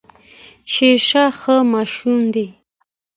شيرشاه ښه ماشوم دی